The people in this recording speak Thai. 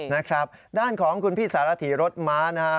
นะครับด้านของคุณพี่สารถีรถม้านะฮะ